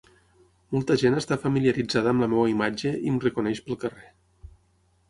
Molta gent està familiaritzada amb la meva imatge i em reconeix pel carrer.